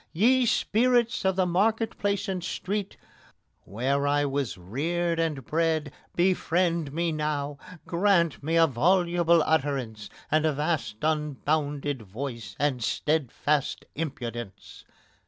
Ye spirits of the market place and street, Where I was reared and bred befriend me now! Grant me a voluble utterance, and a vast Unbounded voice, and steadfast impudence!